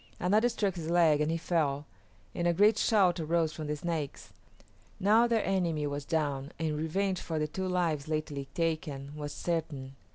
Another struck his leg, and he fell, and a great shout arose from the Snakes. Now their enemy was down and revenge for the two lives lately taken was certain.